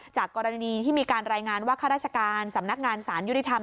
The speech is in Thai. จากกรณีที่มีการรายงานว่าข้าราชการสำนักงานสารยุติธรรม